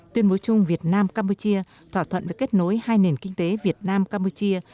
tuyên bố chung việt nam campuchia thỏa thuận về kết nối hai nền kinh tế việt nam campuchia